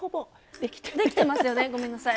できてますよねごめんなさい。